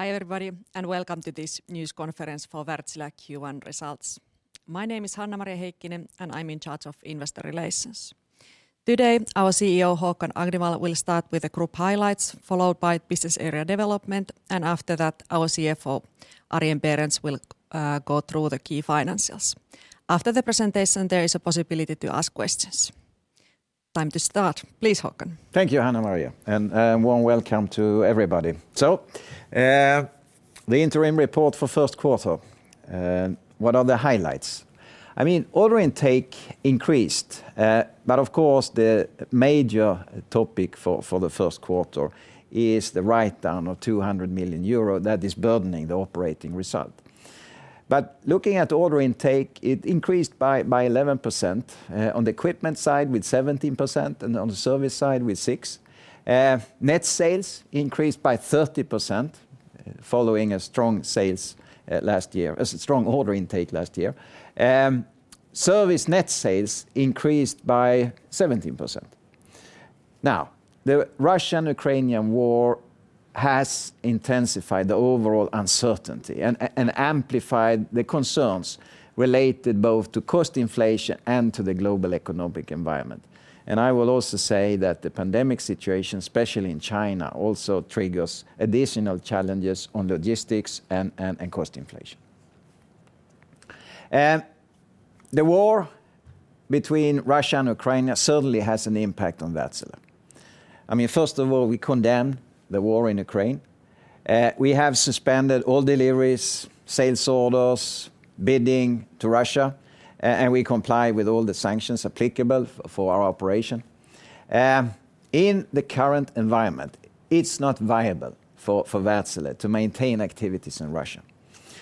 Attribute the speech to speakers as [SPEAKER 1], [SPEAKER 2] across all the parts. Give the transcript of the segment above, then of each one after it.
[SPEAKER 1] Hi, everybody, and welcome to this news conference for Wärtsilä Q1 results. My name is Hanna-Maria Heikkinen, and I'm in charge of Investor Relations. Today, our CEO, Håkan Agnevall, will start with the group highlights, followed by business area development, and after that, our CFO, Arjen Berends, will go through the key financials. After the presentation, there is a possibility to ask questions. Time to start. Please, Håkan.
[SPEAKER 2] Thank you, Hanna-Maria, and a warm welcome to everybody. The interim report for 1st quarter, what are the highlights? I mean, order intake increased, but of course, the major topic for the 1st quarter is the write-down of 200 million euro that is burdening the operating result. Looking at order intake, it increased by 11%, on the equipment side with 17% and on the service side with 6%. Net sales increased by 30% following a strong sales last year, a strong order intake last year. Service net sales increased by 17%. The Russian-Ukrainian war has intensified the overall uncertainty and amplified the concerns related both to cost inflation and to the global economic environment. I will also say that the pandemic situation, especially in China, also triggers additional challenges on logistics and cost inflation. The war between Russia and Ukraine certainly has an impact on Wärtsilä. I mean, 1st of all, we condemn the war in Ukraine. We have suspended all deliveries, sales orders, bidding to Russia, and we comply with all the sanctions applicable for our operation. In the current environment, it's not viable for Wärtsilä to maintain activities in Russia,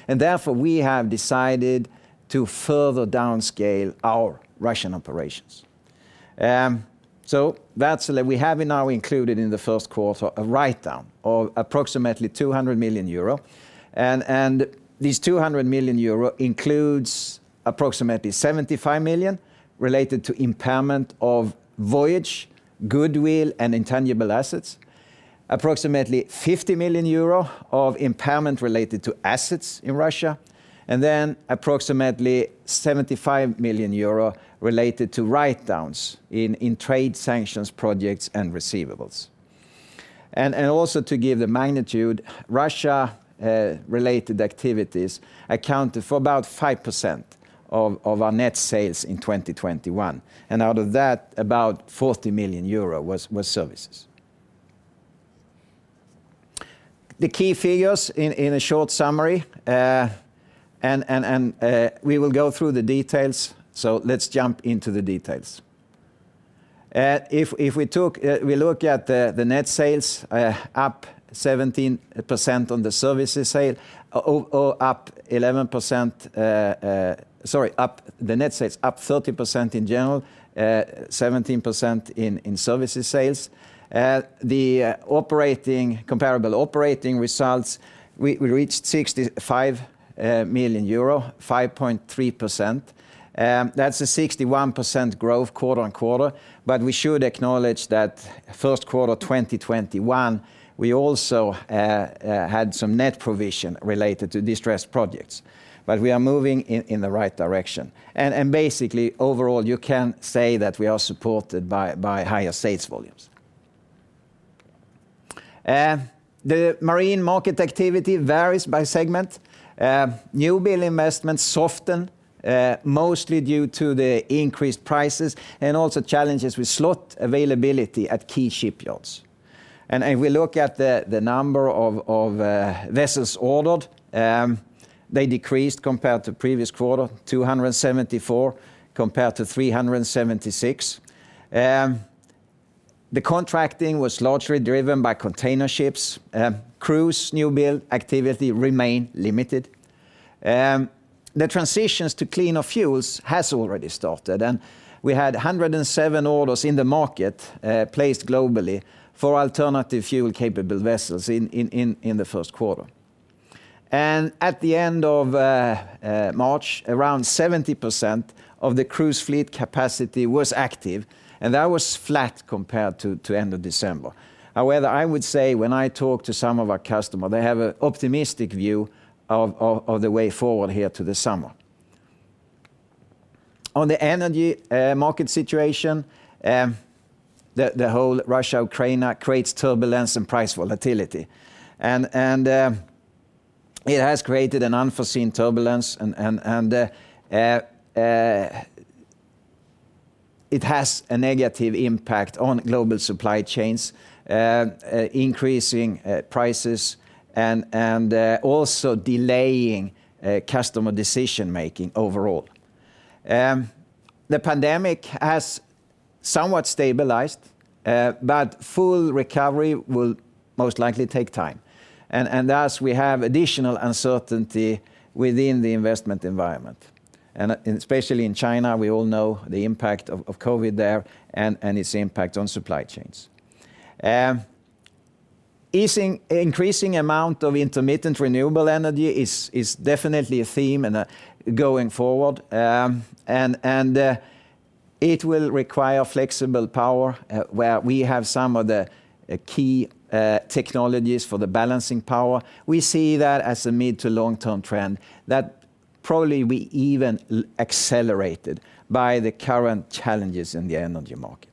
[SPEAKER 2] and therefore, we have decided to further downscale our Russian operations. Wärtsilä, we have now included in the 1st quarter a write-down of approximately 200 million euro, and these 200 million euro includes approximately 75 million related to impairment of Voyage, goodwill, and intangible assets, approximately EUR 50 million of impairment related to assets in Russia, and then approximately EUR 75 million related to write-downs in trade sanctions, projects, and receivables. Also to give the magnitude, Russia related activities accounted for about 5% of our net sales in 2021, and out of that, about 40 million euro was services. The key figures in a short summary, we will go through the details. Let's jump into the details. If we look at the net sales, up 17% on the services sales, or up 11%. Sorry. The net sales up 30% in general, 17% in services sales. The comparable operating results, we reached 65 million euro, 5.3%. That's a 61% growth quarter-on-quarter, but we should acknowledge that 1st quarter 2021, we had some net provision related to distressed projects, but we are moving in the right direction. Basically, overall, you can say that we are supported by higher sales volumes. The marine market activity varies by segment. New build investments soften, mostly due to the increased prices and also challenges with slot availability at key shipyards. If we look at the number of vessels ordered, they decreased compared to previous quarter, 274 compared to 376. The contracting was largely driven by container ships. Cruise new build activity remain limited. The transitions to cleaner fuels has already started, and we had 107 orders in the market placed globally for alternative fuel-capable vessels in the 1st quarter. At the end of March, around 70% of the cruise fleet capacity was active, and that was flat compared to end of December. However, I would say when I talk to some of our customer, they have a optimistic view of the way forward here to the summer. On the energy market situation, the whole Russia-Ukraine creates turbulence and price volatility. It has created an unforeseen turbulence and it has a negative impact on global supply chains, increasing prices and also delaying customer decision-making overall. The pandemic has somewhat stabilized, but full recovery will most likely take time. Thus, we have additional uncertainty within the investment environment. Especially in China, we all know the impact of COVID there and its impact on supply chains. Increasing amount of intermittent renewable energy is definitely a theme going forward. It will require flexible power, where we have some of the key technologies for the balancing power. We see that as a mid to long-term trend that probably we even accelerated by the current challenges in the energy market.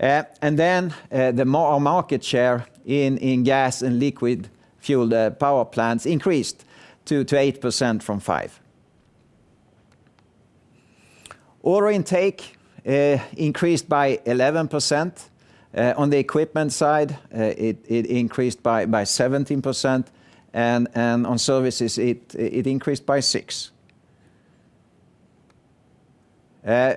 [SPEAKER 2] Our market share in gas and liquid fueled power plants increased to 8% from 5%. Order intake increased by 11%. On the equipment side, it increased by 17% and on services it increased by 6%.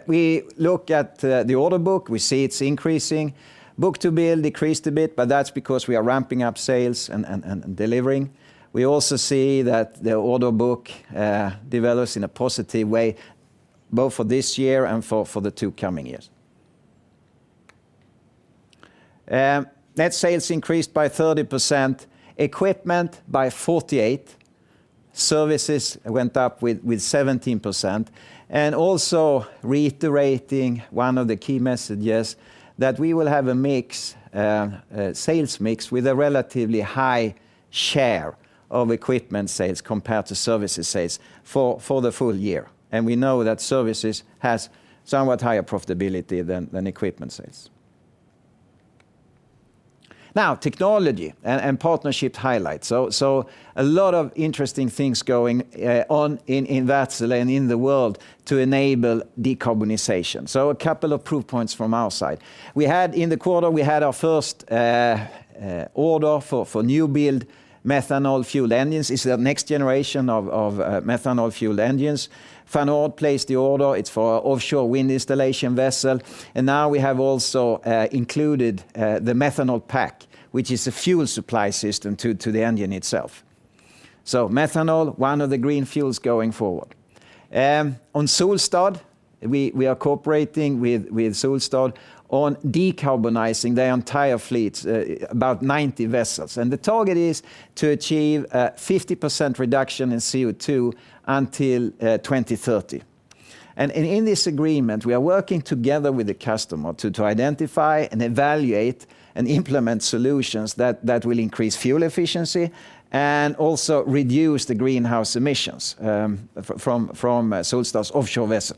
[SPEAKER 2] We look at the order book, we see it's increasing. Book-to-bill decreased a bit, but that's because we are ramping up sales and delivering. We also see that the order book develops in a positive way both for this year and for the two coming years. Net sales increased by 30%, equipment by 48%, services went up with 17%, and also reiterating one of the key messages that we will have a mix, sales mix with a relatively high share of equipment sales compared to services sales for the full year. We know that services has somewhat higher profitability than equipment sales. Now, technology and partnership highlights. A lot of interesting things going on in Wärtsilä and in the world to enable decarbonization. A couple of proof points from our side. In the quarter, we had our 1st order for new build methanol-fueled engines. It's the next generation of methanol-fueled engines. Van Oord placed the order, it's for offshore wind installation vessel, and now we have also included the methanol pack, which is a fuel supply system to the engine itself. Methanol, one of the green fuels going forward. On Solstad, we are cooperating with Solstad on decarbonizing their entire fleet, about 90 vessels, and the target is to achieve 50% reduction in CO2 until 2030. In this agreement, we are working together with the customer to identify and evaluate and implement solutions that will increase fuel efficiency and also reduce the greenhouse emissions from Solstad's offshore vessel.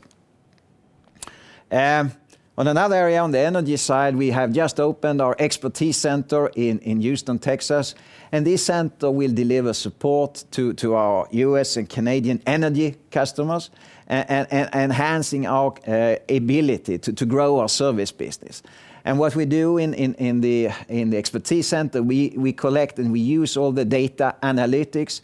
[SPEAKER 2] On another area, on the Energy side, we have just opened our expertise center in Houston, Texas, and this center will deliver support to our U.S. and Canadian Energy customers, enhancing our ability to grow our service business. What we do in the expertise center, we collect and we use all the data analytics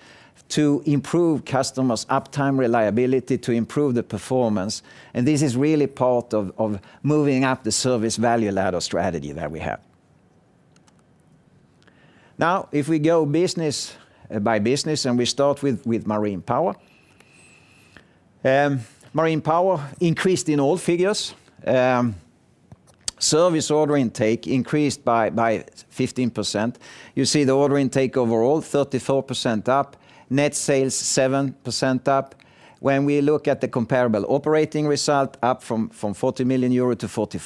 [SPEAKER 2] to improve customers' uptime reliability to improve the performance, and this is really part of moving up the service value ladder strategy that we have. Now, if we go business by business, we start with Marine Power. Marine Power increased in all figures. Service order intake increased by 15%. You see the order intake overall 34% up, net sales 7% up. When we look at the comparable operating result, up from 40 million-44 million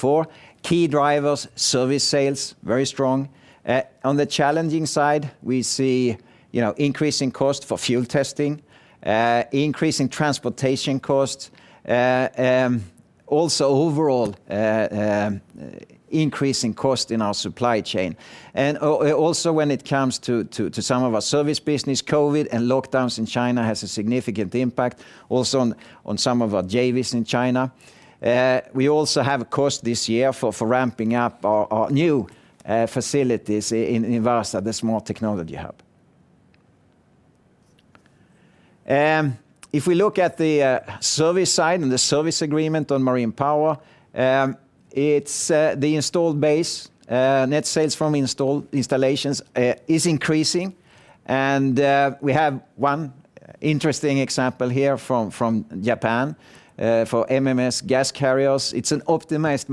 [SPEAKER 2] euro. Key drivers, service sales very strong. On the challenging side, we see, you know, increasing cost for fuel testing, increasing transportation costs, also overall increase in cost in our supply chain. Also when it comes to some of our service business, COVID and lockdowns in China has a significant impact also on some of our JVs in China. We also have a cost this year for ramping up our new facilities in Wärtsilä, the Sustainable Technology Hub. If we look at the service side and the service agreement on Marine Power, it's the installed base net sales from installations is increasing, and we have one interesting example here from Japan for MMS gas carriers. It's an optimized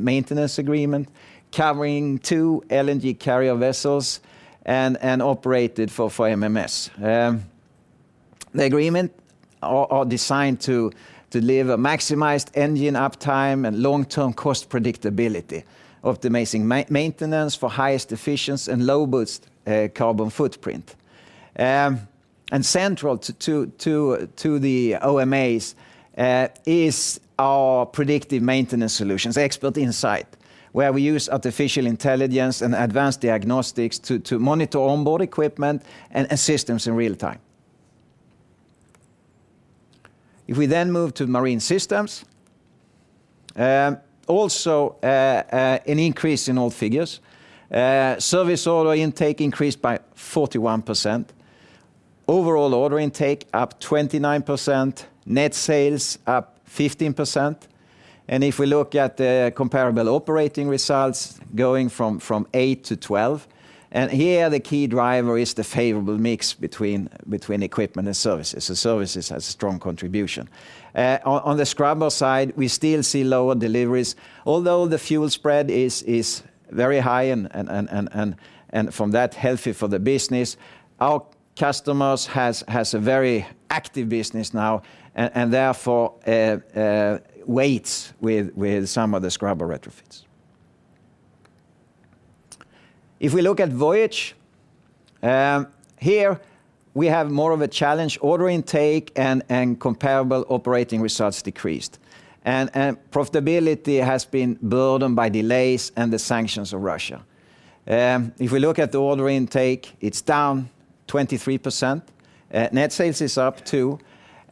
[SPEAKER 2] maintenance agreement covering two LNG carrier vessels and operated for MMS. The agreement are designed to deliver maximized engine uptime and long-term cost predictability, optimizing maintenance for highest efficiency and lowest carbon footprint. Central to the OMAs is our predictive maintenance solutions, Expert Insight, where we use artificial intelligence and advanced diagnostics to monitor onboard equipment and systems in real time. If we then move to Marine Systems, also an increase in all figures. Service order intake increased by 41%. Overall order intake up 29%, net sales up 15%. If we look at the comparable operating results going from 8-12, and here the key driver is the favorable mix between equipment and services, so services has strong contribution. On the scrubber side, we still see lower deliveries. Although the fuel spread is very high and from that healthy for the business, our customers has a very active business now and therefore Wärtsilä with some of the scrubber retrofits. If we look at Voyage, here we have more of a challenge. Order intake and comparable operating results decreased. Profitability has been burdened by delays and the sanctions of Russia. If we look at the order intake, it's down 23%. Net sales is up too.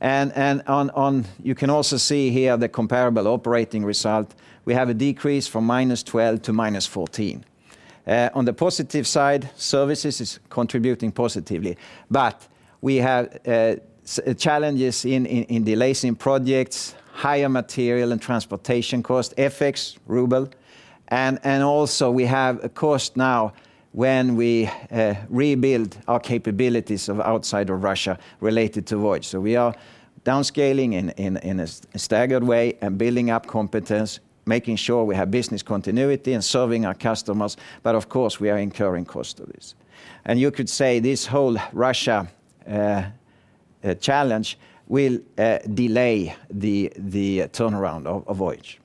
[SPEAKER 2] You can also see here the comparable operating result. We have a decrease from -12 to -14. On the positive side, services is contributing positively. We have challenges in delays in projects, higher material and transportation costs, FX, ruble, and also we have a cost now when we rebuild our capabilities outside of Russia related to Voyage. We are downscaling in a staggered way and building up competence, making sure we have business continuity and serving our customers, but of course, we are incurring cost of this. You could say this whole Russia challenge will delay the turnaround of Voyage.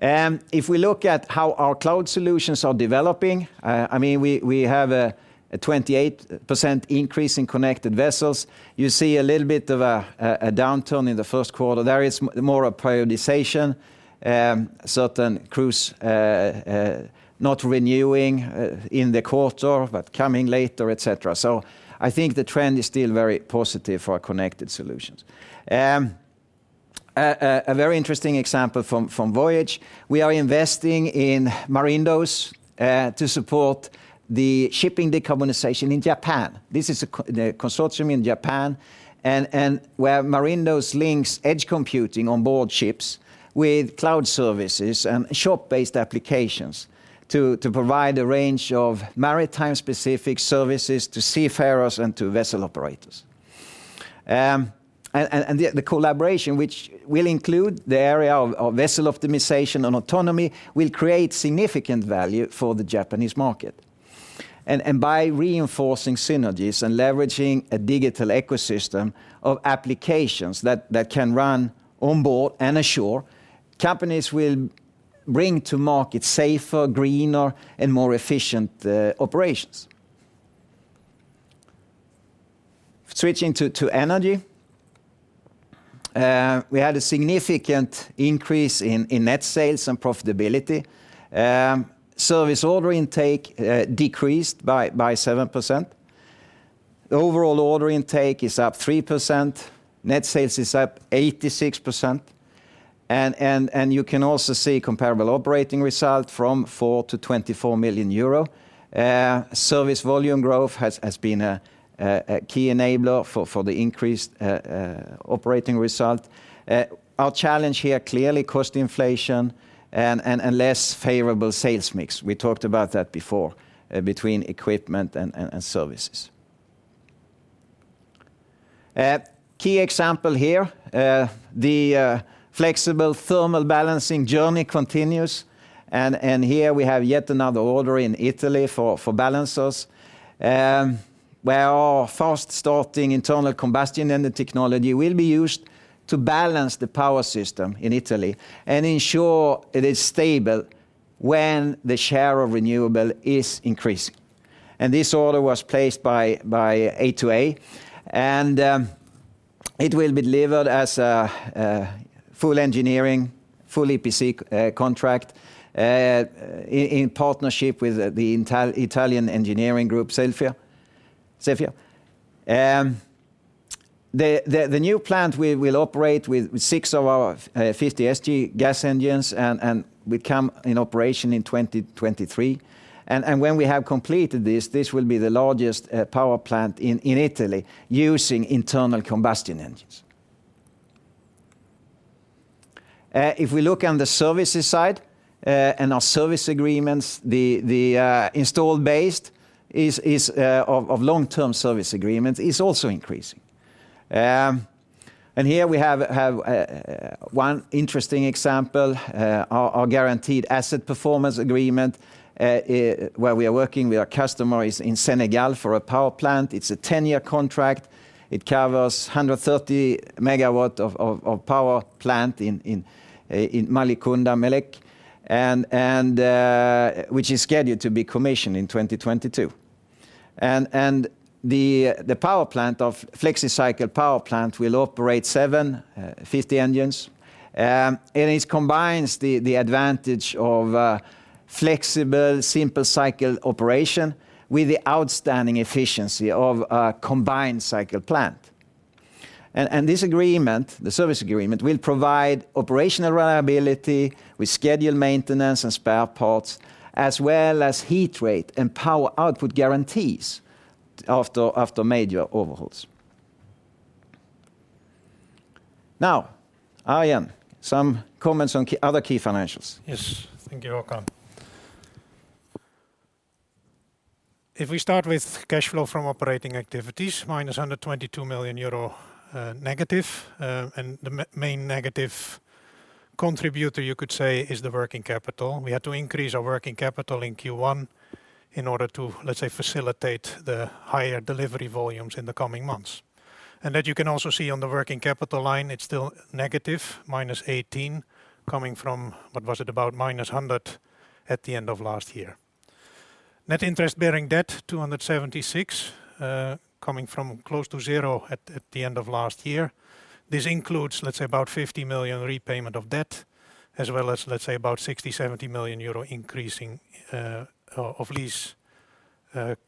[SPEAKER 2] If we look at how our cloud solutions are developing, I mean, we have a 28% increase in connected vessels. You see a little bit of a downturn in the 1st quarter. There is more of a prioritization, certain cruise not renewing in the quarter, but coming later, et cetera. I think the trend is still very positive for our connected solutions. A very interesting example from Voyage, we are investing in Marindows to support the shipping decarbonization in Japan. This is a consortium in Japan and where Marindows links edge computing on board ships with cloud services and ship-based applications to provide a range of maritime-specific services to seafarers and to vessel operators. The collaboration, which will include the area of vessel optimization and autonomy, will create significant value for the Japanese market. By reinforcing synergies and leveraging a digital ecosystem of applications that can run on board and ashore, companies will bring to market safer, greener, and more efficient operations. Switching to Energy, we had a significant increase in net sales and profitability. Service order intake decreased by 7%. Overall order intake is up 3%. Net sales is up 86%. You can also see comparable operating result from 4 million-24 million euro. Service volume growth has been a key enabler for the increased operating result. Our challenge here, clearly cost inflation and less favorable sales mix. We talked about that before, between equipment and services. A key example here, the flexible thermal balancing journey continues, and here we have yet another order in Italy for balancers, where our fast-starting internal combustion engine technology will be used to balance the power system in Italy and ensure it is stable when the share of renewables is increasing. This order was placed by A2A, and it will be delivered as a full engineering, full EPC contract, in partnership with the Italian engineering group, Cefla. Cefla. The new plant will operate with six of our 50SG gas engines and will come in operation in 2023. When we have completed this will be the largest power plant in Italy using internal combustion engines. If we look on the services side, and our service agreements, the install base of long-term service agreements is also increasing. Here we have one interesting example, our guaranteed asset performance agreement, where we are working with our customers in Senegal for a power plant. It's a 10-year contract. It covers 130 MW of power plant in Malicounda, Matelec, and which is scheduled to be commissioned in 2022. The Flexicycle power plant will operate seven 50 engines, and it combines the advantage of flexible simple cycle operation with the outstanding efficiency of a combined cycle plant. This agreement, the service agreement, will provide operational reliability with scheduled maintenance and spare parts, as well as heat rate and power output guarantees after major overhauls. Now, Arjen, some comments on other key financials.
[SPEAKER 3] Yes. Thank you, Håkan. If we start with cash flow from operating activities, -122 million euro, negative, and the main negative contributor, you could say, is the working capital. We had to increase our working capital in Q1 in order to, let's say, facilitate the higher delivery volumes in the coming months. That you can also see on the working capital line, it's still negative, -18 million, coming from, what was it? About -100 million at the end of last year. Net interest-bearing debt, 276 million, coming from close to zero at the end of last year. This includes, let's say, about 50 million repayment of debt, as well as, let's say, about 60 million-70 million euro increasing of lease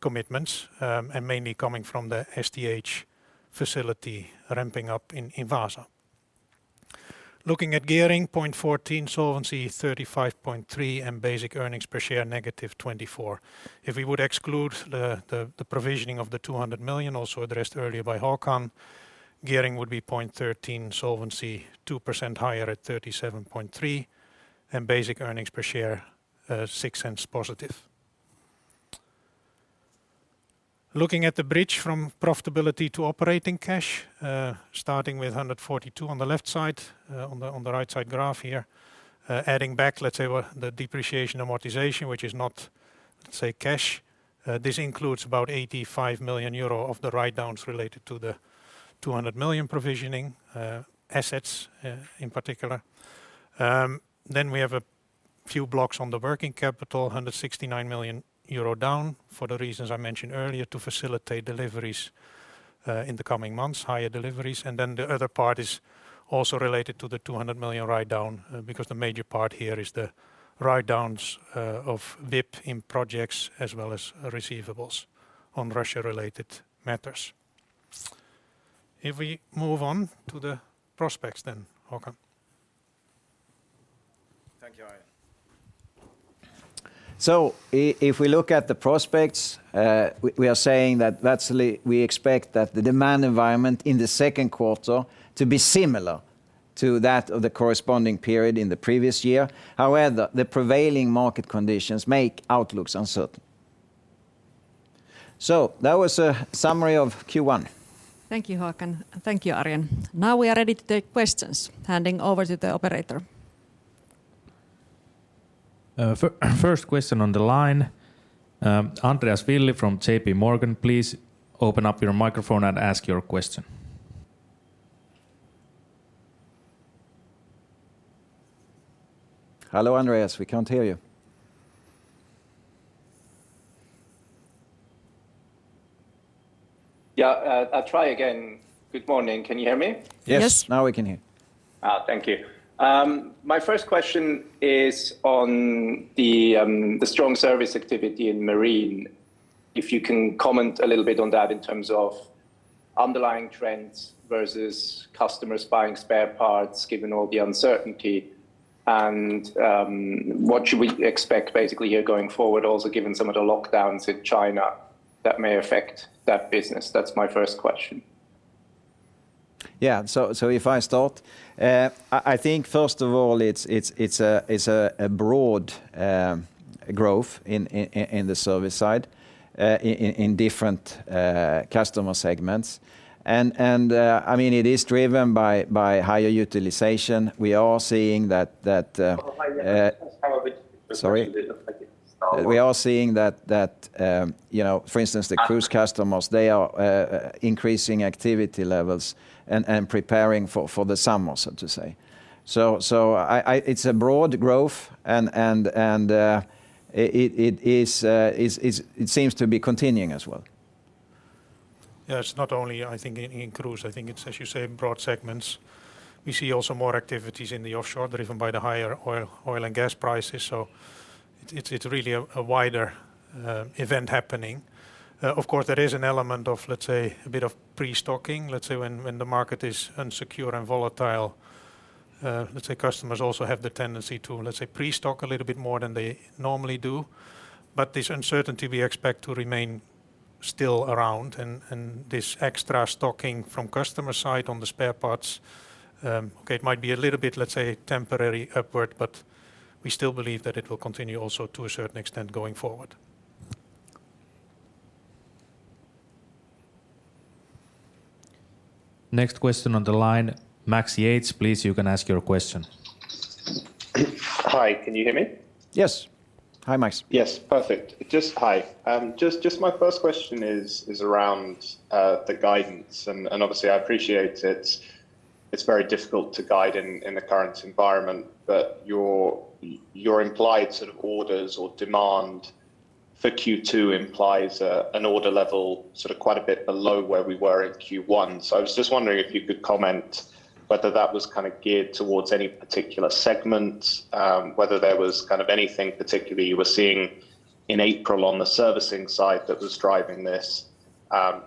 [SPEAKER 3] commitments, and mainly coming from the STH facility ramping up in Vaasa. Looking at gearing 0.14, solvency 35.3%, and basic earnings per share -24. If we would exclude the provisioning of the 200 million also addressed earlier by Håkan, gearing would be 0.13, solvency 2% higher at 37.3%, and basic earnings per share 6+ cents. Looking at the bridge from profitability to operating cash, starting with 142 million on the left side, on the right side graph here, adding back, let's say, the depreciation amortization, which is not, let's say, cash. This includes about 85 million euro of the write-downs related to the 200 million provisioning, assets, in particular. We have a few blocks on the working capital, 169 million euro down for the reasons I mentioned earlier, to facilitate deliveries in the coming months, higher deliveries. The other part is also related to the 200 million write-down, because the major part here is the write-downs of WIP in projects as well as receivables on Russia-related matters. If we move on to the prospects then, Håkan.
[SPEAKER 2] Thank you, Arjen. If we look at the prospects, we are saying that we expect the demand environment in the 2nd quarter to be similar to that of the corresponding period in the previous year. However, the prevailing market conditions make outlooks uncertain. That was a summary of Q1.
[SPEAKER 1] Thank you, Håkan. Thank you, Arjen. Now we are ready to take questions. Handing over to the operator.
[SPEAKER 4] First question on the line, Andreas Willi from J.P. Morgan. Please open up your microphone and ask your question.
[SPEAKER 2] Hello, Andreas. We can't hear you.
[SPEAKER 5] Yeah, I'll try again. Good morning. Can you hear me?
[SPEAKER 2] Yes.
[SPEAKER 1] Yes.
[SPEAKER 2] Now we can hear.
[SPEAKER 5] Thank you. My 1st question is on the strong service activity in Marine. If you can comment a little bit on that in terms of underlying trends versus customers buying spare parts, given all the uncertainty, and what should we expect basically here going forward, also given some of the lockdowns in China that may affect that business? That's my 1st question.
[SPEAKER 2] If I start, I think 1st of all, it's a broad growth in the service side in different customer segments. I mean, it is driven by higher utilization. We are seeing that, you know, for instance, the cruise customers they are increasing activity levels and preparing for the summer, so to say. It's a broad growth and it seems to be continuing as well.
[SPEAKER 3] It's not only, I think, in cruise. I think it's, as you say, in broad segments. We see also more activities in the offshore driven by the higher oil and gas prices. It's really a wider event happening. Of course, there is an element of, let's say, a bit of pre-stocking. When the market is insecure and volatile, customers also have the tendency to, let's say, pre-stock a little bit more than they normally do. This uncertainty we expect to remain still around and this extra stocking from customer side on the spare parts, it might be a little bit, let's say, temporary upward, but we still believe that it will continue also to a certain extent going forward.
[SPEAKER 4] Next question on the line, Max Yates, please, you can ask your question.
[SPEAKER 6] Hi. Can you hear me?
[SPEAKER 2] Yes. Hi, Max.
[SPEAKER 6] Yes. Perfect. Just hi. Just my 1st question is around the guidance, and obviously I appreciate it's very difficult to guide in the current environment, but your implied sort of orders or demand for Q2 implies an order level sort of quite a bit below where we were in Q1. I was just wondering if you could comment whether that was kind of geared towards any particular segment, whether there was kind of anything particularly you were seeing in April on the servicing side that was driving this,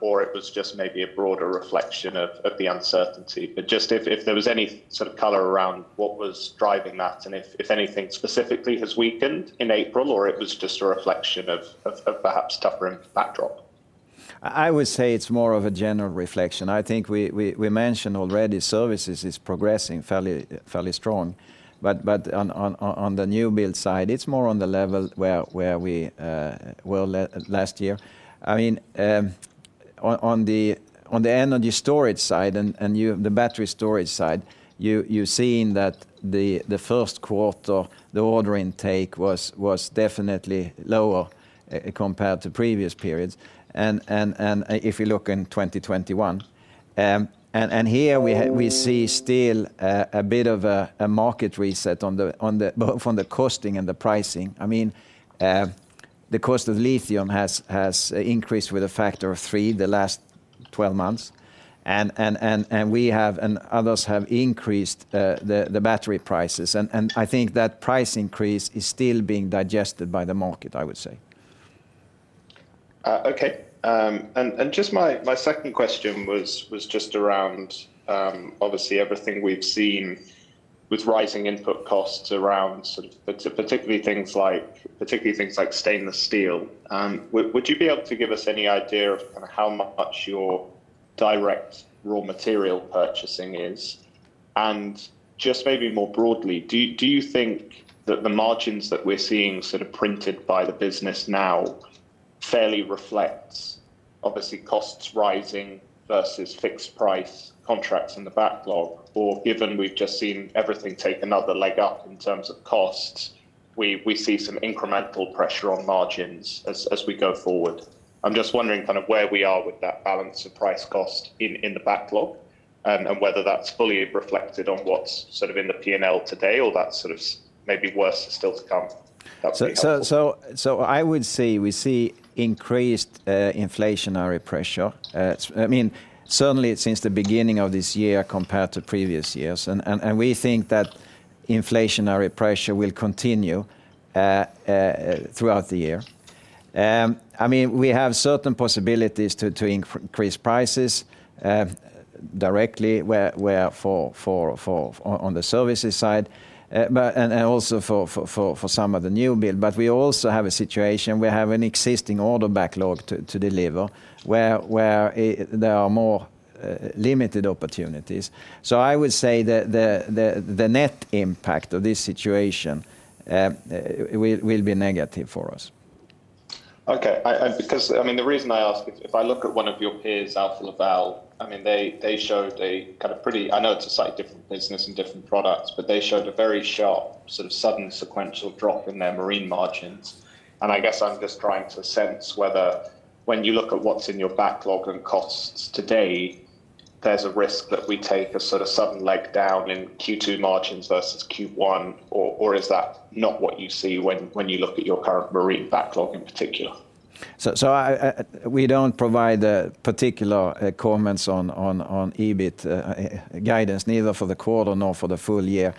[SPEAKER 6] or it was just maybe a broader reflection of the uncertainty. Just if there was any sort of color around what was driving that and if anything specifically has weakened in April or it was just a reflection of perhaps tougher backdrop.
[SPEAKER 2] I would say it's more of a general reflection. I think we mentioned already services is progressing fairly strong. On the new build side, it's more on the level where we were last year. I mean. On the energy storage side and the battery storage side, you've seen that the 1st quarter the order intake was definitely lower compared to previous periods. If you look in 2021 and here we see still a bit of a market reset on the both on the costing and the pricing. I mean, the cost of lithium has increased with a factor of three the last twelve months. We have and others have increased the battery prices. I think that price increase is still being digested by the market, I would say.
[SPEAKER 6] Okay. Just my 2nd question was just around obviously everything we've seen with rising input costs around sort of particularly things like stainless steel. Would you be able to give us any idea of kinda how much your direct raw material purchasing is? Just maybe more broadly, do you think that the margins that we're seeing sort of printed by the business now fairly reflects obviously costs rising versus fixed price contracts in the backlog? Or given we've just seen everything take another leg up in terms of costs, we see some incremental pressure on margins as we go forward? I'm just wondering kind of where we are with that balance of price cost in the backlog, and whether that's fully reflected on what's sort of in the PNL today, or that sort of maybe worse still to come. That'd be helpful.
[SPEAKER 2] I would say we see increased inflationary pressure. I mean, certainly since the beginning of this year compared to previous years. We think that inflationary pressure will continue throughout the year. I mean, we have certain possibilities to increase prices directly where for on the services side, but also for some of the new build. We also have a situation, we have an existing order backlog to deliver where there are more limited opportunities. I would say the net impact of this situation will be negative for us.
[SPEAKER 6] Okay. Because I mean, the reason I ask is if I look at one of your peers, Alfa Laval, I mean, they showed. I know it's a slightly different business and different products, but they showed a very sharp, sort of sudden sequential drop in their marine margins. I guess I'm just trying to sense whether, when you look at what's in your backlog and costs today, there's a risk that we take a sort of sudden leg down in Q2 margins versus Q1, or is that not what you see when you look at your current marine backlog in particular?
[SPEAKER 2] We don't provide particular comments on EBIT guidance, neither for the quarter nor for the full year.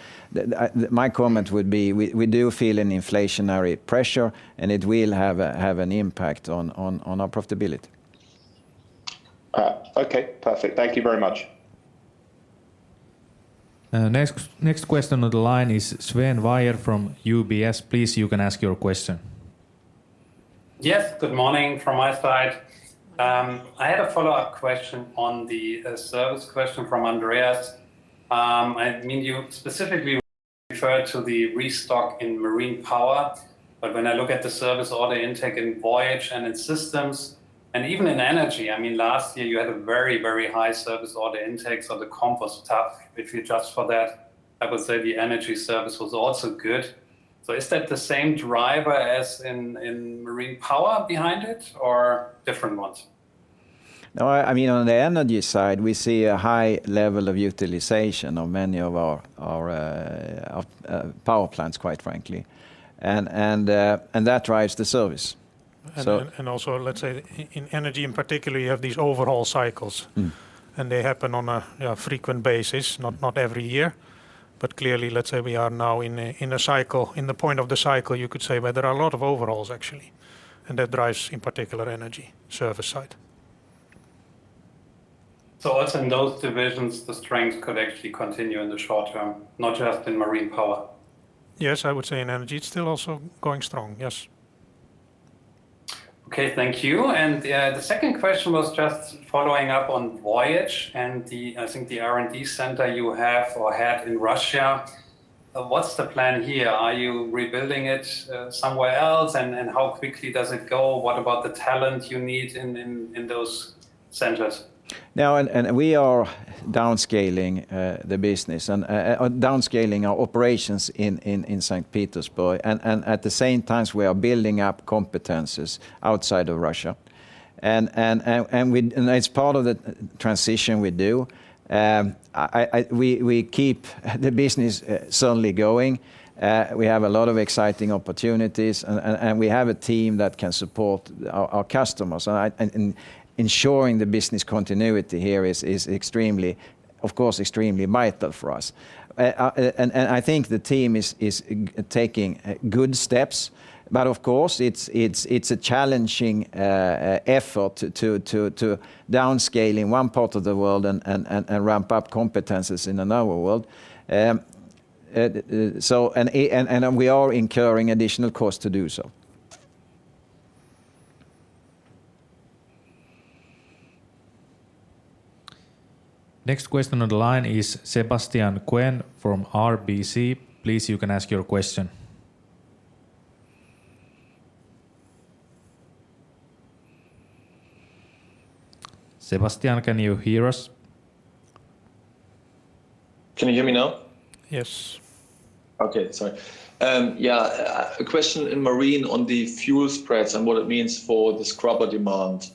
[SPEAKER 2] My comment would be we do feel an inflationary pressure, and it will have an impact on our profitability.
[SPEAKER 6] All right. Okay, perfect. Thank you very much.
[SPEAKER 4] Next question on the line is Sven Weier from UBS. Please, you can ask your question.
[SPEAKER 7] Yes. Good morning from my side. I had a follow-up question on the service question from Andreas. I mean, you specifically referred to the restock in Marine Power, but when I look at the service order intake in Voyage and in Marine Systems, and even in Energy, I mean, last year you had a very, very high service order intakes on the comparable period. If you adjust for that, I would say the energy service was also good. Is that the same driver as in Marine Power behind it or different ones?
[SPEAKER 2] No, I mean, on the energy side, we see a high level of utilization of many of our power plants, quite frankly. That drives the service.
[SPEAKER 3] Also, let's say in energy in particular, you have these overall cycles.
[SPEAKER 2] Mm.
[SPEAKER 3] They happen on a, you know, frequent basis, not every year. Clearly, let's say we are now in a cycle, at the point of the cycle, you could say, where there are a lot of overhauls, actually, and that drives in particular Energy service side.
[SPEAKER 7] Also in those divisions, the strength could actually continue in the short term, not just in Marine Power.
[SPEAKER 3] Yes, I would say in energy it's still also going strong. Yes.
[SPEAKER 7] Okay, thank you. The 2nd question was just following up on Voyage and the, I think the R&D center you have or had in Russia. What's the plan here? Are you rebuilding it somewhere else? How quickly does it go? What about the talent you need in those centers?
[SPEAKER 2] Now we are downscaling the business and downscaling our operations in Saint Petersburg. At the same time, we are building up competencies outside of Russia. As part of the transition we do, we keep the business certainly going. We have a lot of exciting opportunities and we have a team that can support our customers. Ensuring the business continuity here is extremely, of course, extremely vital for us. I think the team is taking good steps, but of course it's a challenging effort to downscale in one part of the world and ramp up competencies in another world. We are incurring additional cost to do so.
[SPEAKER 4] Next question on the line is Sebastian Kuenne from RBC Capital Markets. Please, you can ask your question. Sebastian, can you hear us?
[SPEAKER 8] Can you hear me now?
[SPEAKER 3] Yes.
[SPEAKER 8] Okay. Sorry. A question in marine on the fuel spreads and what it means for the scrubber demand.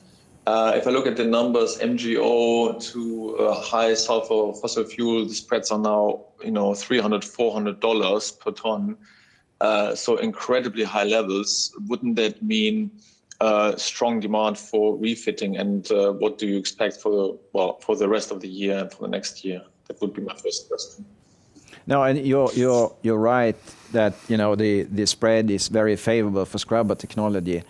[SPEAKER 8] If I look at the numbers MGO to high sulfur fossil fuel, the spreads are now, you know, $300-$400 per ton, so incredibly high levels. Wouldn't that mean a strong demand for refitting, and what do you expect for, well, for the rest of the year and for the next year? That would be my 1st question.
[SPEAKER 2] No, you're right that, you know, the spread is very favorable for scrubber technology.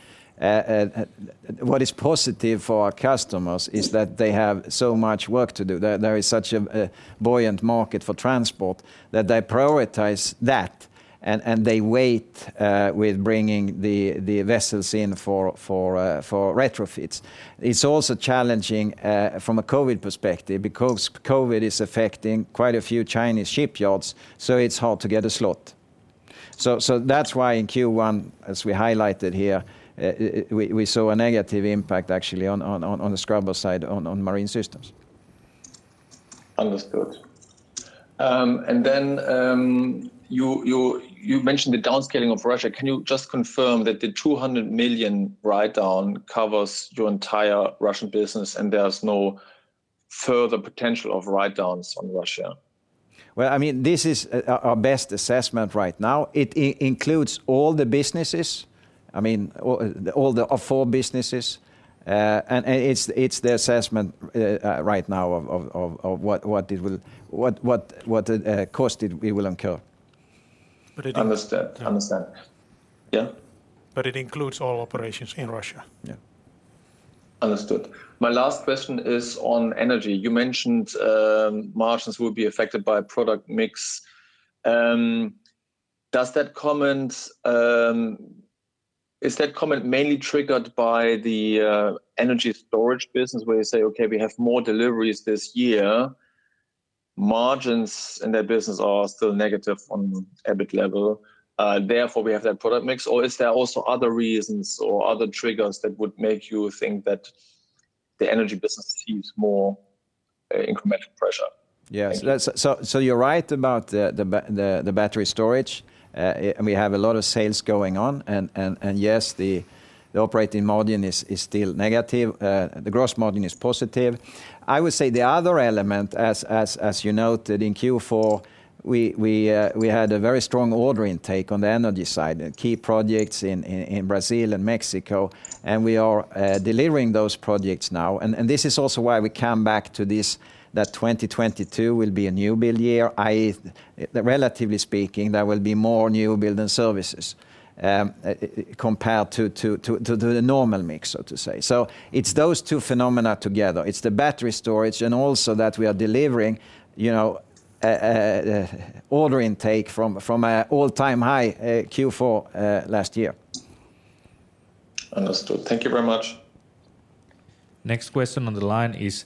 [SPEAKER 2] What is positive for our customers is that they have so much work to do. There is such a buoyant market for transport that they prioritize that and they wait with bringing the vessels in for retrofits. It's also challenging from a COVID perspective because COVID is affecting quite a few Chinese shipyards, so it's hard to get a slot. That's why in Q1, as we highlighted here, we saw a negative impact actually on the scrubber side on Marine Systems.
[SPEAKER 8] Understood. You mentioned the downscaling of Russia. Can you just confirm that the 200 million write-down covers your entire Russian business and there's no further potential of write-downs on Russia?
[SPEAKER 2] Well, I mean, this is our best assessment right now. It includes all the businesses, I mean, all the four businesses. It's the assessment right now of what cost it will incur.
[SPEAKER 3] But it-
[SPEAKER 8] Understood. Yeah.
[SPEAKER 3] It includes all operations in Russia.
[SPEAKER 2] Yeah.
[SPEAKER 8] Understood. My last question is on energy. You mentioned, margins will be affected by product mix. Is that comment mainly triggered by the energy storage business where you say, "Okay, we have more deliveries this year," margins in that business are still negative on the EPC level, therefore we have that product mix? Or is there also other reasons or other triggers that would make you think that the energy business sees more, incremental pressure?
[SPEAKER 2] Yes.
[SPEAKER 8] Thank you.
[SPEAKER 2] You're right about the battery storage. We have a lot of sales going on, and yes, the operating margin is still negative. The gross margin is positive. I would say the other element, as you noted, in Q4, we had a very strong order intake on the energy side, key projects in Brazil and Mexico, and we are delivering those projects now. This is also why we come back to this, that 2022 will be a new build year, i.e., relatively speaking, there will be more new build than services, compared to the normal mix so to say. It's those two phenomena together. It's the battery storage and also that we are delivering, you know, an order intake from an all-time high Q4 last year.
[SPEAKER 8] Understood. Thank you very much.
[SPEAKER 4] Next question on the line is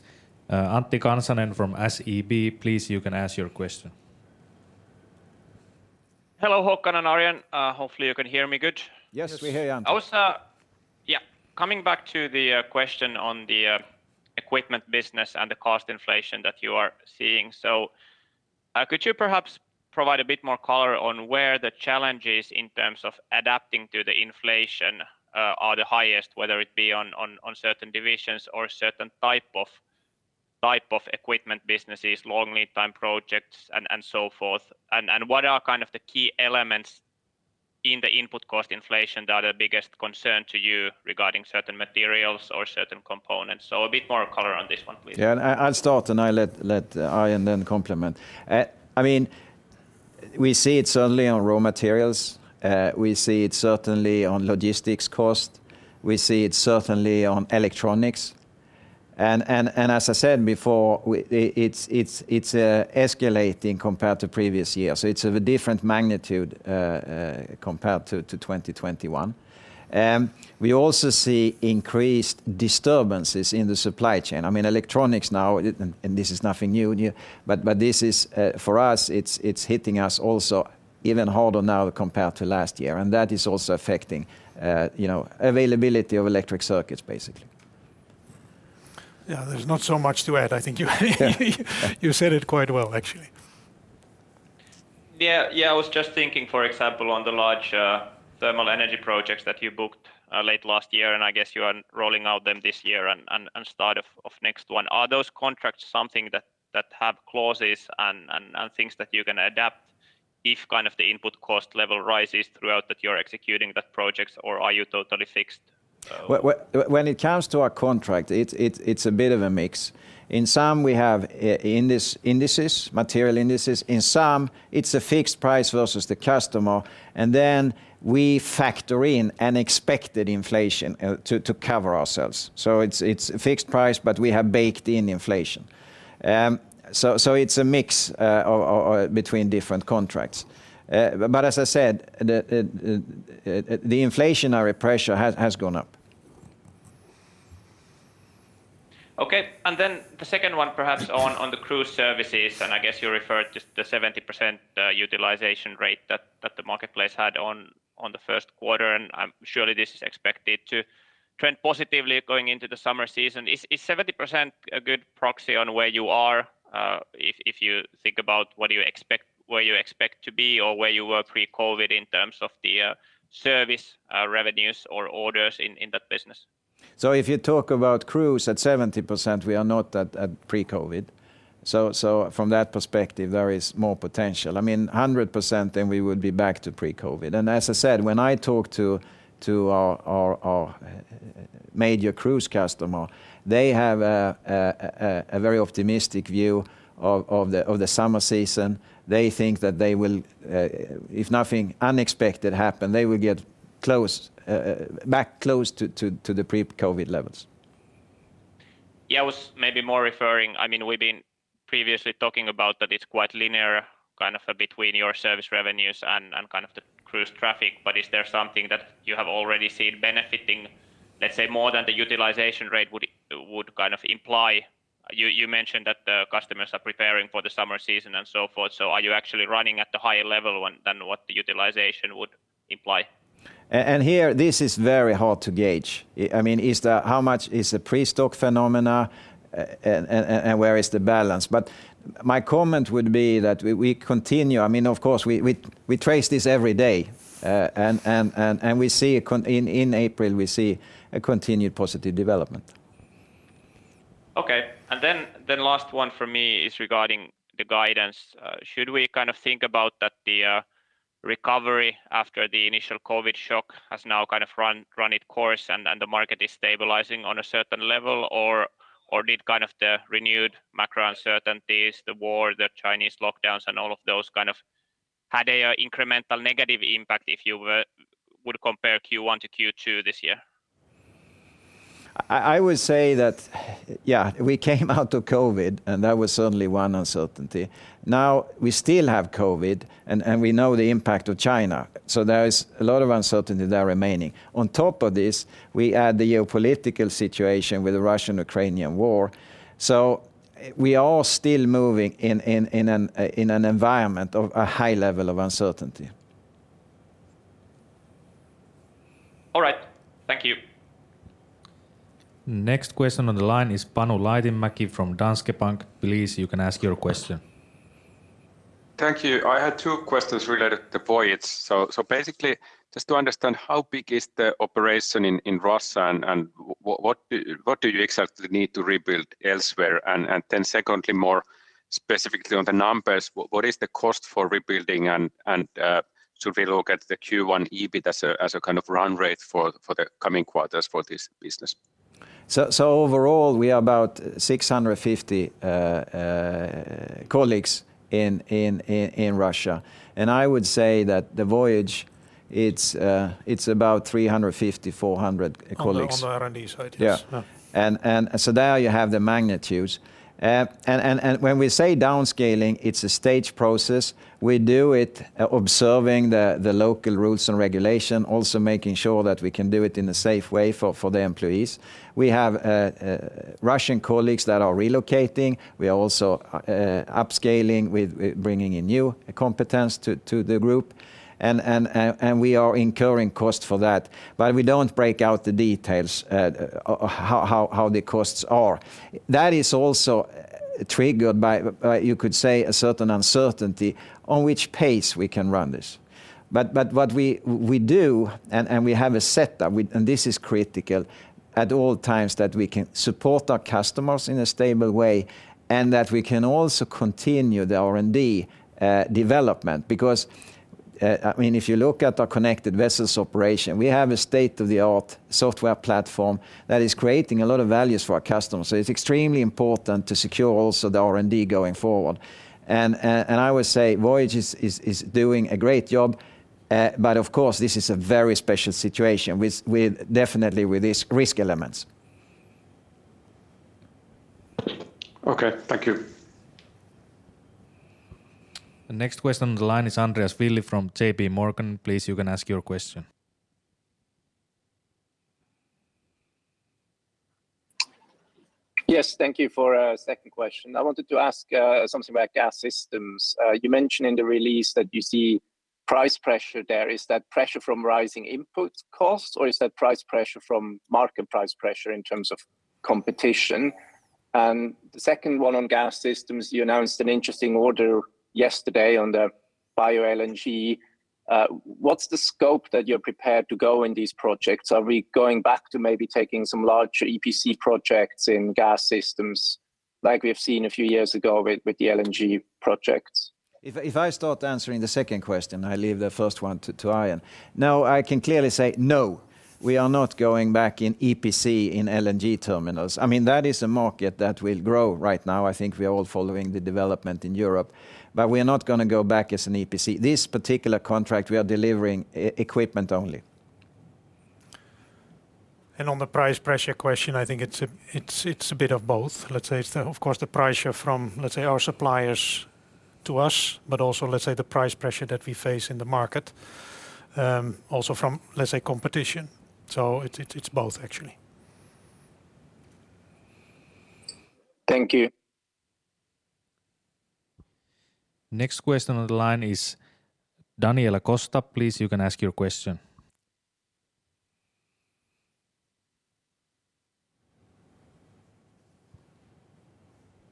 [SPEAKER 4] Antti Kansanen from SEB. Please, you can ask your question.
[SPEAKER 9] Hello, Håkan and Arjen. Hopefully you can hear me good.
[SPEAKER 2] Yes.
[SPEAKER 3] Yes. We hear you, Antti.
[SPEAKER 9] Coming back to the question on the equipment business and the cost inflation that you are seeing, so, could you perhaps provide a bit more color on where the challenges in terms of adapting to the inflation are the highest, whether it be on certain divisions or certain type of equipment businesses, long lead time projects and so forth? What are kind of the key elements in the input cost inflation that are biggest concern to you regarding certain materials or certain components? A bit more color on this one, please.
[SPEAKER 2] I'll start, and I'll let Arjen then complement. I mean, we see it certainly on raw materials. We see it certainly on logistics cost. We see it certainly on electronics. As I said before, it's escalating compared to previous years, so it's of a different magnitude compared to 2021. We also see increased disturbances in the supply chain. I mean, electronics now, and this is nothing new, but this is, for us, it's hitting us also even harder now compared to last year, and that is also affecting, you know, availability of electric circuits, basically.
[SPEAKER 3] Yeah. There's not so much to add. I think you
[SPEAKER 2] Yeah.
[SPEAKER 3] You said it quite well actually.
[SPEAKER 9] I was just thinking, for example, on the large thermal energy projects that you booked late last year, and I guess you are rolling out them this year and start of next one. Are those contracts something that have clauses and things that you can adapt if kind of the input cost level rises throughout that you're executing that projects, or are you totally fixed?
[SPEAKER 2] When it comes to our contract, it's a bit of a mix. In some, we have indices, material indices. In some, it's a fixed price versus the customer, and then we factor in an expected inflation to cover ourselves. It's fixed price, but we have baked in inflation. It's a mix of between different contracts. As I said, the inflationary pressure has gone up.
[SPEAKER 9] The 2nd one perhaps on the cruise services, and I guess you referred to the 70% utilization rate that the marketplace had in the 1st quarter, and surely this is expected to trend positively going into the summer season. Is 70% a good proxy for where you are, if you think about what you expect, where you expect to be or where you were pre-COVID in terms of the service revenues or orders in that business?
[SPEAKER 2] If you talk about cruise at 70%, we are not at pre-COVID. From that perspective, there is more potential. I mean, 100% then we would be back to pre-COVID. As I said, when I talk to our major cruise customer, they have a very optimistic view of the summer season. They think that they will, if nothing unexpected happen, they will get back close to the pre-COVID levels.
[SPEAKER 9] Yeah. I was maybe more referring, I mean, we've been previously talking about that it's quite linear, kind of between your service revenues and kind of the cruise traffic, but is there something that you have already seen benefiting, let's say, more than the utilization rate would kind of imply? You mentioned that the customers are preparing for the summer season and so forth, so are you actually running at the higher level than what the utilization would imply?
[SPEAKER 2] Here, this is very hard to gauge. I mean, how much is the pre-stock phenomena and where is the balance? My comment would be that we continue. I mean, of course, we trace this every day, and we see, in April, a continued positive development.
[SPEAKER 9] Last one from me is regarding the guidance. Should we kind of think about that the recovery after the initial COVID shock has now kind of run its course and the market is stabilizing on a certain level? Or did kind of the renewed macro uncertainties, the war, the Chinese lockdowns, and all of those kind of had a incremental negative impact if you would compare Q1 to Q2 this year?
[SPEAKER 2] I would say that, yeah, we came out of COVID, and that was certainly one uncertainty. Now, we still have COVID and we know the impact of China, so there is a lot of uncertainty there remaining. On top of this, we add the geopolitical situation with the Russian-Ukrainian war. We are still moving in an environment of a high level of uncertainty.
[SPEAKER 9] All right. Thank you.
[SPEAKER 4] Next question on the line is Panu Laitinmäki from Danske Bank. Please, you can ask your question.
[SPEAKER 10] Thank you. I had two questions related to Voyage. Basically just to understand how big is the operation in Russia and what do you exactly need to rebuild elsewhere? Secondly, more specifically on the numbers, what is the cost for rebuilding and should we look at the Q1 EBIT as a kind of run rate for the coming quarters for this business?
[SPEAKER 2] Overall, we are about 650 colleagues in Russia. I would say that the Voyage, it's about 350-400 colleagues.
[SPEAKER 3] On the R&D side, yes.
[SPEAKER 2] Yeah.
[SPEAKER 10] Yeah.
[SPEAKER 2] There you have the magnitudes. When we say downscaling, it's a stage process. We do it observing the local rules and regulation, also making sure that we can do it in a safe way for the employees. We have Russian colleagues that are relocating. We are also upscaling with bringing in new competence to the group and we are incurring cost for that. We don't break out the details at how the costs are. That is also triggered by you could say a certain uncertainty on which pace we can run this. What we do and we have a setup, we... This is critical at all times that we can support our customers in a stable way and that we can also continue the R&D, development. Because, I mean, if you look at our connected vessels operation, we have a state-of-the-art software platform that is creating a lot of values for our customers, so it's extremely important to secure also the R&D going forward. I would say Voyage is doing a great job, but of course, this is a very special situation with definitely these risk elements.
[SPEAKER 10] Okay. Thank you.
[SPEAKER 4] The next question on the line is Andreas Willi from J.P. Morgan. Please, you can ask your question.
[SPEAKER 5] Yes. Thank you. For a 2nd question, I wanted to ask something about Gas Solutions. You mentioned in the release that you see price pressure there. Is that pressure from rising input costs, or is that price pressure from market price pressure in terms of competition? The 2nd one on Gas Solutions, you announced an interesting order yesterday on the bioLNG. What's the scope that you're prepared to go in these projects? Are we going back to maybe taking some large EPC projects in Gas Solutions like we've seen a few years ago with the LNG projects?
[SPEAKER 2] If I start answering the 2nd question, I leave the 1st one to Arjen. Now, I can clearly say no, we are not going back in EPC in LNG terminals. I mean, that is a market that will grow right now. I think we are all following the development in Europe, but we are not gonna go back as an EPC. This particular contract, we are delivering equipment only.
[SPEAKER 3] On the price pressure question, I think it's a bit of both, let's say. Of course the pressure from, let's say, our suppliers to us, but also, let's say, the price pressure that we face in the market, also from, let's say, competition. It's both actually.
[SPEAKER 5] Thank you.
[SPEAKER 4] Next question on the line is Daniela Costa. Please, you can ask your question.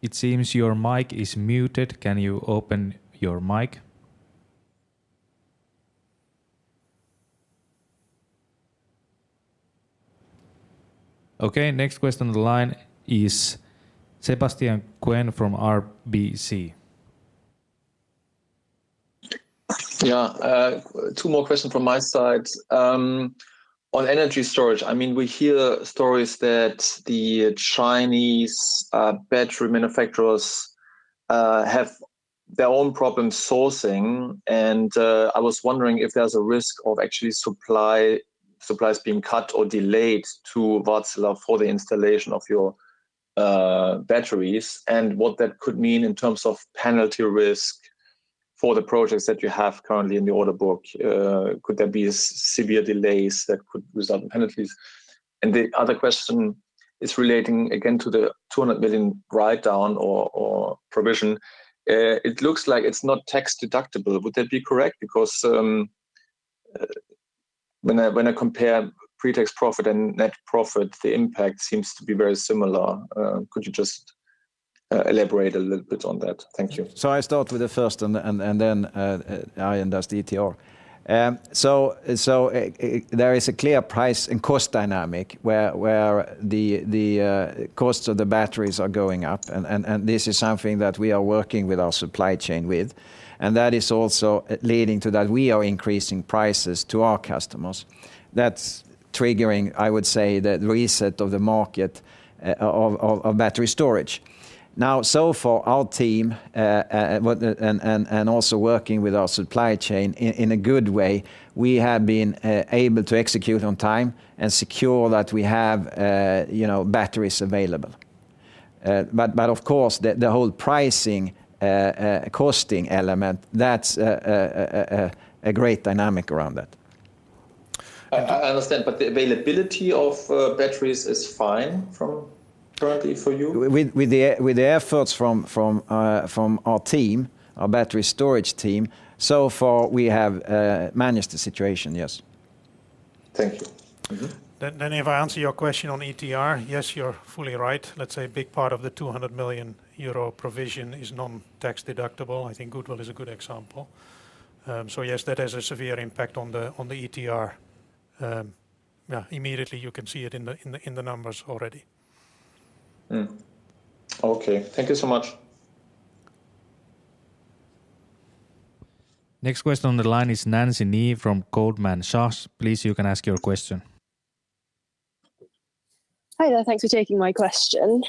[SPEAKER 4] It seems your mic is muted. Can you open your mic? Okay, next question on the line is Sebastian Kuenne from RBC.
[SPEAKER 8] Yeah. Two more questions from my side. On energy storage, I mean, we hear stories that the Chinese battery manufacturers have their own problem sourcing, and I was wondering if there's a risk of actual supplies being cut or delayed to Wärtsilä for the installation of your batteries and what that could mean in terms of penalty risk for the projects that you have currently in the order book. Could there be severe delays that could result in penalties? The other question is relating again to the 200 million write-down or provision. It looks like it's not tax deductible. Would that be correct? Because when I compare pre-tax profit and net profit, the impact seems to be very similar. Could you just elaborate a little bit on that? Thank you.
[SPEAKER 2] I start with the 1st, and then Arjen does the ETR. There is a clear price and cost dynamic where the costs of the batteries are going up and this is something that we are working with our supply chain, and that is also leading to that we are increasing prices to our customers. That's triggering, I would say, the reset of the market of battery storage. Now, so far, our team also working with our supply chain in a good way, we have been able to execute on time and secure that we have, you know, batteries available. Of course, the whole pricing, a great dynamic around that.
[SPEAKER 8] I understand, but the availability of batteries is fine from currently for you?
[SPEAKER 2] With the efforts from our team, our battery storage team, so far we have managed the situation, yes.
[SPEAKER 8] Thank you. Mm-hmm.
[SPEAKER 3] If I answer your question on ETR, yes, you're fully right. Let's say big part of the 200 million euro provision is non-tax deductible. I think goodwill is a good example. So yes, that has a severe impact on the ETR. Yeah, immediately you can see it in the numbers already.
[SPEAKER 8] Okay. Thank you so much.
[SPEAKER 4] Next question on the line is Nancy Nie from Goldman Sachs. Please, you can ask your question.
[SPEAKER 11] Hi there. Thanks for taking my question.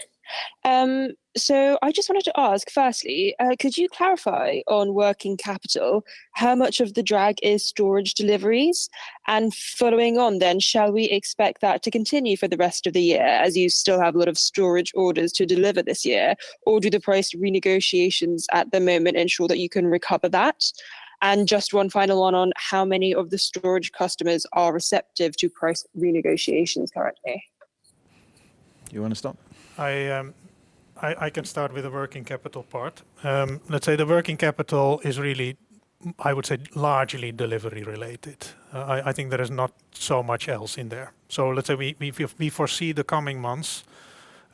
[SPEAKER 11] I just wanted to ask, 1stly, could you clarify on working capital, how much of the drag is storage deliveries? And following on then, shall we expect that to continue for the rest of the year as you still have a lot of storage orders to deliver this year? Or do the price renegotiations at the moment ensure that you can recover that? And just one final one on how many of the storage customers are receptive to price renegotiations currently?
[SPEAKER 2] You wanna start?
[SPEAKER 3] I can start with the working capital part. Let's say the working capital is really, I would say, largely delivery related. I think there is not so much else in there. Let's say we foresee the coming months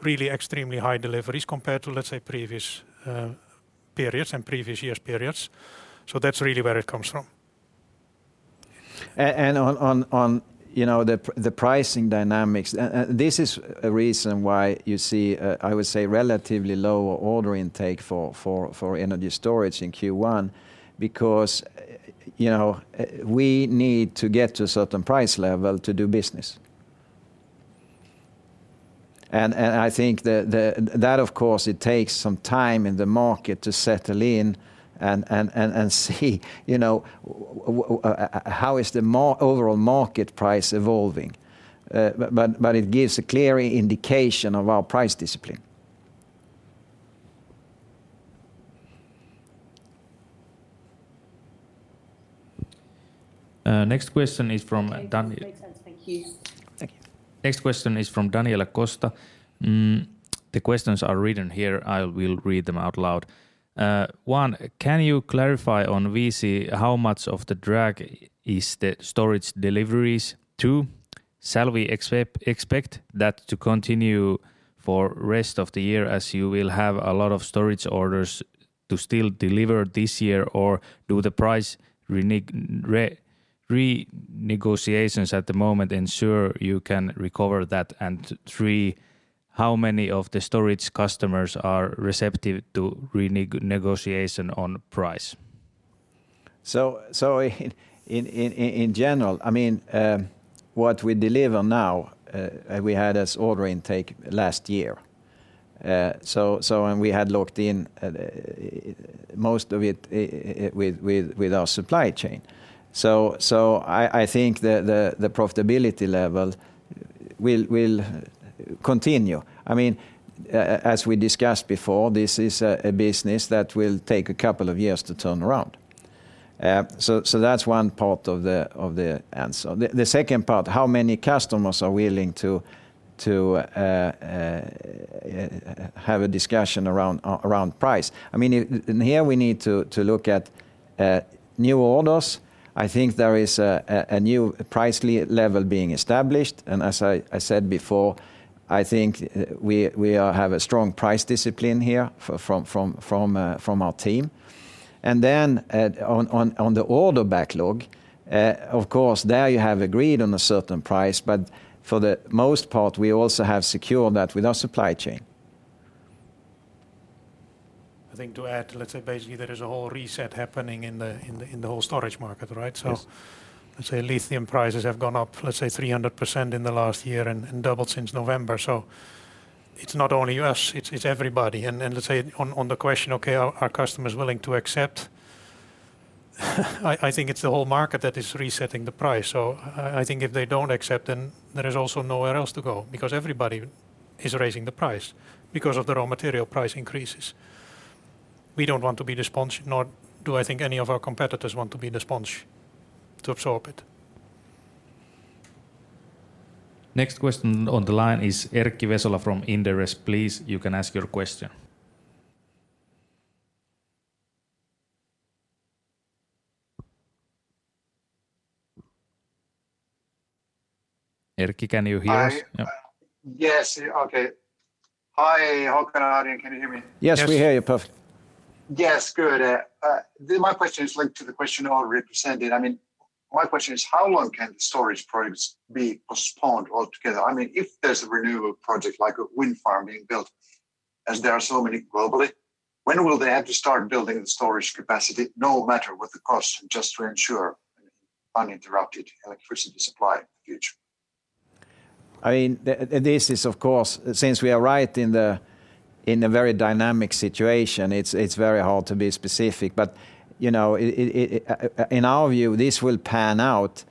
[SPEAKER 3] really extremely high deliveries compared to, let's say, previous periods and previous years' periods. That's really where it comes from.
[SPEAKER 2] On the pricing dynamics, this is a reason why you see a, I would say, relatively lower order intake for energy storage in Q1 because, you know, we need to get to a certain price level to do business. I think that of course it takes some time in the market to settle in and see, you know, how the overall market price is evolving. But it gives a clear indication of our price discipline.
[SPEAKER 4] Next question is from Daniela.
[SPEAKER 11] Okay, great. Thank you.
[SPEAKER 3] Thank you.
[SPEAKER 4] Next question is from Daniela Costa. The questions are written here. I will read them out loud. One, can you clarify on WC how much of the drag is the storage deliveries? Two, shall we expect that to continue for rest of the year as you will have a lot of storage orders to still deliver this year? Or do the price renegotiations at the moment ensure you can recover that? And three, how many of the storage customers are receptive to negotiation on price?
[SPEAKER 2] In general, I mean, what we deliver now we had as order intake last year and we had locked in most of it with our supply chain. I think the profitability level will continue. I mean, as we discussed before, this is a business that will take a couple of years to turn around. That's one part of the answer. The 2nd part, how many customers are willing to have a discussion around price? I mean, and here we need to look at new orders. I think there is a new price level being established, and as I said before, I think we have a strong price discipline here from our team. Then, on the order backlog, of course, there you have agreed on a certain price, but for the most part we also have secured that with our supply chain.
[SPEAKER 3] I think to add, let's say basically there is a whole reset happening in the whole storage market, right?
[SPEAKER 2] Yes.
[SPEAKER 3] Let's say lithium prices have gone up, let's say 300% in the last year and doubled since November. It's not only us, it's everybody. Let's say on the question, okay, are customers willing to accept? I think it's the whole market that is resetting the price. I think if they don't accept then there is also nowhere else to go, because everybody is raising the price because of the raw material price increases. We don't want to be the sponge, nor do I think any of our competitors want to be the sponge to absorb it.
[SPEAKER 4] Next question on the line is Erkki Vesola from Inderes. Please, you can ask your question. Erkki, can you hear us?
[SPEAKER 12] Hi.
[SPEAKER 4] Yeah.
[SPEAKER 12] Yes. Okay. Hi, Håkan and Arjen. Can you hear me?
[SPEAKER 2] Yes.
[SPEAKER 3] Yes, we hear you perfectly.
[SPEAKER 12] Yes. Good. My question is linked to the question already presented. I mean, my question is, how long can the storage products be postponed altogether? I mean, if there's a renewable project like a wind farm being built, as there are so many globally, when will they have to start building the storage capacity no matter what the cost, just to ensure uninterrupted electricity supply in the future?
[SPEAKER 2] I mean, this is of course since we are right in a very dynamic situation, it's very hard to be specific, but you know, it in our view, this will pan out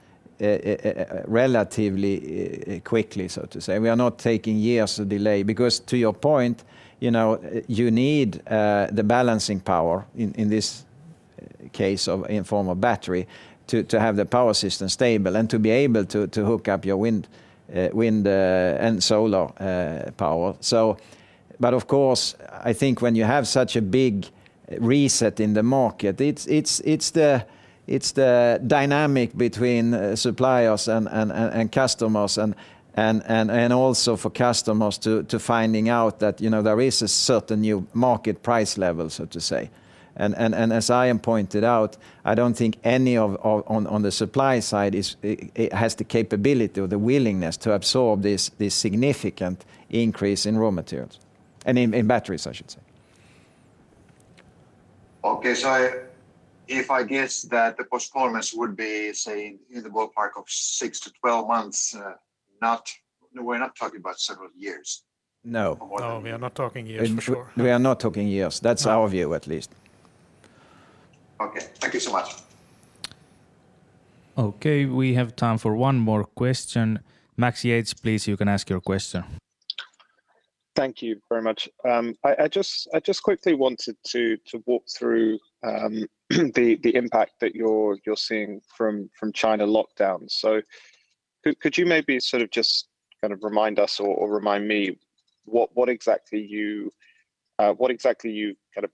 [SPEAKER 2] relatively quickly, so to say. We are not taking years of delay because, to your point, you know, you need the balancing power in this case in form of battery to have the power system stable and to be able to hook up your wind and solar power. Of course, I think when you have such a big reset in the market, it's the dynamic between suppliers and customers and also for customers to finding out that, you know, there is a certain new market price level, so to say. As Arjen pointed out, I don't think any on the supply side has the capability or the willingness to absorb this significant increase in raw materials, and in batteries, I should say.
[SPEAKER 12] If I guess that the postponements would be, say, in the ballpark of 6-12 months, not, we're not talking about several years.
[SPEAKER 2] No...
[SPEAKER 12] from what you-
[SPEAKER 3] No, we are not talking years, for sure.
[SPEAKER 2] We are not talking years. That's our view at least.
[SPEAKER 12] Okay. Thank you so much.
[SPEAKER 4] Okay. We have time for one more question. Max Yates, please, you can ask your question.
[SPEAKER 6] Thank you very much. I just quickly wanted to walk through the impact that you're seeing from China lockdowns. Could you maybe sort of just kind of remind me what exactly you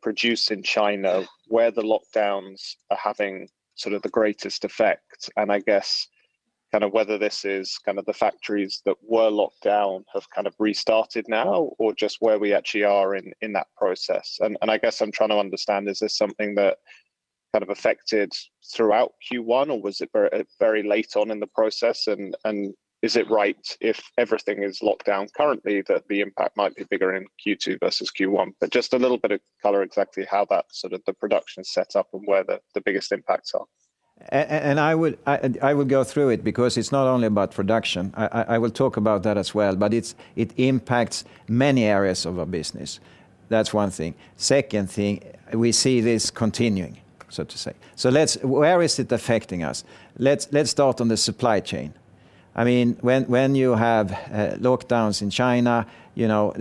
[SPEAKER 6] produce in China, where the lockdowns are having sort of the greatest effect? I guess kind of whether this is kind of the factories that were locked down have kind of restarted now, or just where we actually are in that process. I guess I'm trying to understand, is this something that kind of affected throughout Q1, or was it very late on in the process? Is it right if everything is locked down currently that the impact might be bigger in Q2 versus Q1? Just a little bit of color exactly how that sort of the production set up and where the biggest impacts are.
[SPEAKER 2] I would go through it because it's not only about production. I will talk about that as well, but it impacts many areas of our business. That's one thing. Second thing, we see this continuing, so to say. Where is it affecting us? Let's start on the supply chain. I mean, when you have lockdowns in China, you know,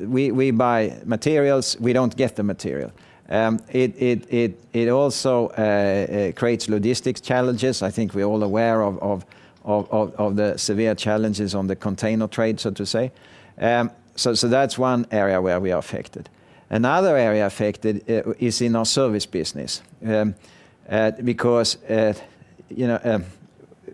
[SPEAKER 2] we buy materials, we don't get the material. It also creates logistics challenges. I think we're all aware of the severe challenges on the container trade, so to say. That's one area where we are affected. Another area affected is in our service business. You know,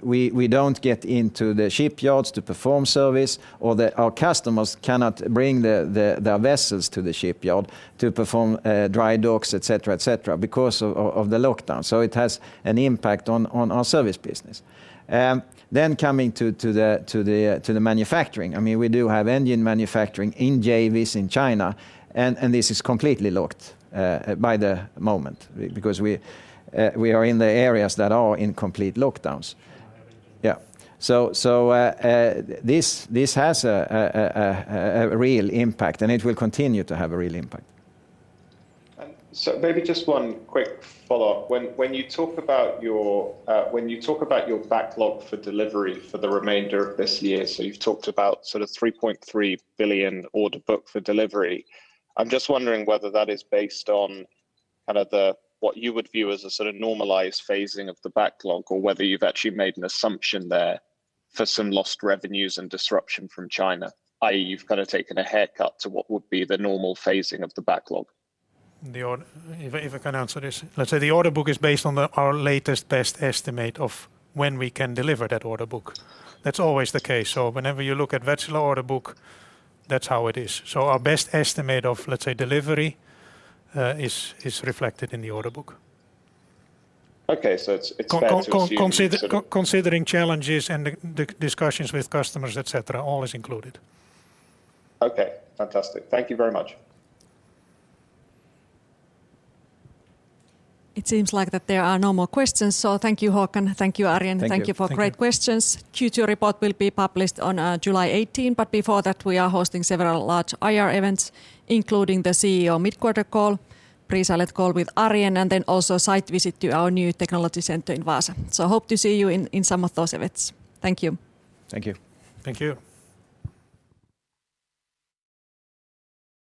[SPEAKER 2] we don't get into the shipyards to perform service, or our customers cannot bring their vessels to the shipyard to perform dry docks, et cetera, because of the lockdown. It has an impact on our service business. Coming to the manufacturing, I mean, we do have engine manufacturing in JVs in China, and this is completely locked by the moment because we are in the areas that are in complete lockdowns. Yeah. This has a real impact, and it will continue to have a real impact.
[SPEAKER 6] Maybe just one quick follow-up. When you talk about your backlog for delivery for the remainder of this year, so you've talked about sort of 3.3 billion order book for delivery, I'm just wondering whether that is based on kind of the, what you would view as a sort of normalized phasing of the backlog, or whether you've actually made an assumption there for some lost revenues and disruption from China, i.e., you've kind of taken a haircut to what would be the normal phasing of the backlog.
[SPEAKER 3] If I can answer this. Let's say the order book is based on our latest best estimate of when we can deliver that order book. That's always the case. Whenever you look at Wärtsilä order book, that's how it is. Our best estimate of, let's say, delivery, is reflected in the order book.
[SPEAKER 6] Okay. It's fair to assume.
[SPEAKER 3] Considering challenges and the discussions with customers, et cetera, all is included.
[SPEAKER 6] Okay. Fantastic. Thank you very much.
[SPEAKER 1] It seems like that there are no more questions, so thank you, Håkan. Thank you, Arjen.
[SPEAKER 2] Thank you.
[SPEAKER 1] Thank you for great questions. Q2 report will be published on July 18th, but before that, we are hosting several large IR events, including the CEO mid-quarter call, pre-sale call with Arjen, and then also a site visit to our new technology center in Vaasa. Hope to see you in some of those events. Thank you.
[SPEAKER 2] Thank you.
[SPEAKER 3] Thank you.